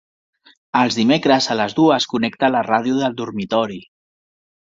Els dimecres a les dues connecta la ràdio del dormitori.